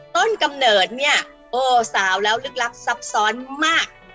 กำเนิดเนี่ยโอ้สาวแล้วลึกลับซับซ้อนมาก